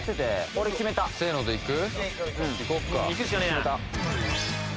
俺決めたせーのでいく？